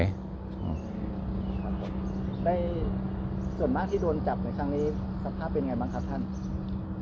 ครับผมได้ส่วนมากที่โดนจับในครั้งนี้สภาพเป็นไงบ้างครับท่าน